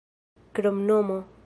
kromnomo